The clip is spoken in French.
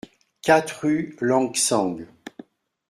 quatre rue Lan Xang